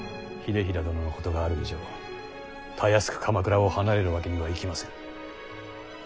秀衡殿のことがある以上たやすく鎌倉を離れるわけにはいきませぬ。